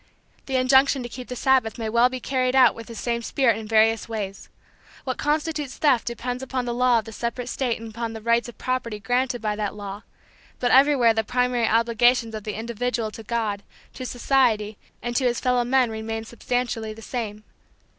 The injunction to keep the Sabbath may well be carried out with the same spirit in various ways. What constitutes theft depends upon the law of the separate state and upon the rights of property granted by that law, but everywhere the primary obligations of the individual to God, to society and to his fellow men remain substantially the same.